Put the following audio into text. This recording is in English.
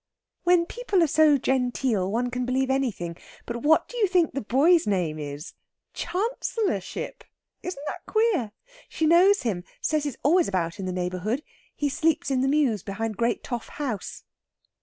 "When people are so genteel one can believe anything! But what do you think the boy's name is?... Chancellorship! Isn't that queer? She knows him says he's always about in the neighbourhood. He sleeps in the mews behind Great Toff House."